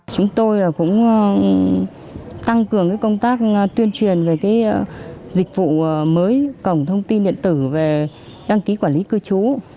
chúng tôi cũng tăng cường công tác tuyên truyền về dịch vụ mới cổng thông tin điện tử về đăng ký quản lý cư trú